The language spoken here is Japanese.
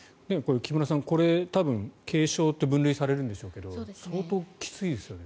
木村さんこれ、多分軽症と分類されるんでしょうけど相当きついですよね。